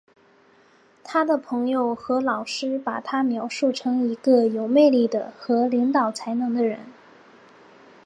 他的朋友和老师把他描述成一个有魅力的和领导才能的人。